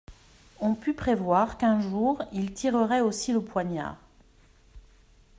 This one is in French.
On put prévoir qu'un jour ils tireraient aussi le poignard.